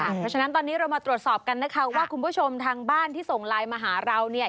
เพราะฉะนั้นตอนนี้เรามาตรวจสอบกันนะคะว่าคุณผู้ชมทางบ้านที่ส่งไลน์มาหาเราเนี่ย